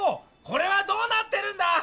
これはどうなってるんだ